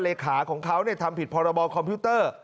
เลขาของเขาทำผิดพรบคอมพิวเตอร์